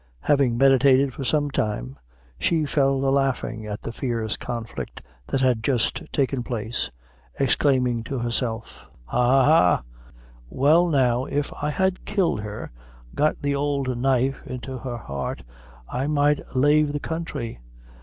Having meditated for some time, she fell a laughing at the fierce conflict that had just taken place, exclaiming to herself "Ha, ha, ha! Well now if I had killed her got the ould knife into her heart I might lave the counthry.